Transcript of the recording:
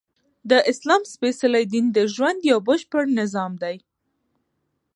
د اسلام سپیڅلی دین د ژوند یؤ بشپړ نظام دی!